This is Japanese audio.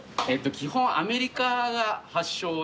基本アメリカが発祥です。